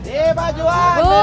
di bajuan di musliman